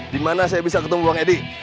dimana saya bisa ketemu bang eddy